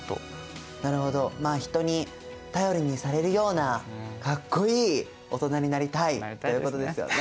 なるほどまあ人に頼りにされるようなかっこいい大人になりたいっていうことですよね。